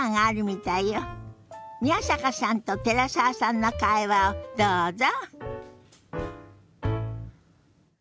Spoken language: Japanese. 宮坂さんと寺澤さんの会話をどうぞ。